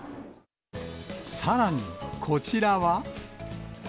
さらに、こちらは。